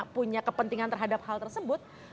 punya kepentingan terhadap hal tersebut